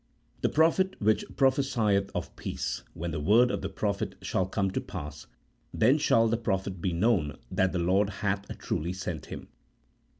" The prophet which prophesieth of peace, when the word of the prophet shall come to pass, then shall the prophet be known that the Lord hath truly sent him."